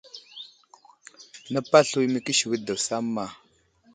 Nepaɗ slu i məkisiwid daw samma.